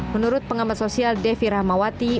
menurut pengamat sosial devi rahmawati